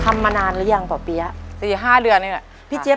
ทำมานานหรือยังป่อเปี้ยสี่ห้าเดือนนี้ไว้ค่ะพี่เจ๊ง